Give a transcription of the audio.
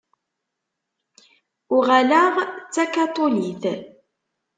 Uɣaleɣ d takaṭulit.